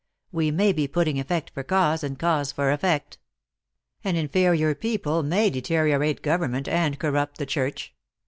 We may be putting effect for cause, and cause for effect. An inferior people may deteriorate govern ment, and corrupt the church.